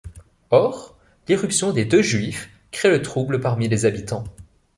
Or, l'irruption des deux juifs crée le trouble parmi les habitants.